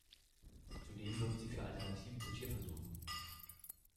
Zudem wirbt sie für Alternativen zu Tierversuchen.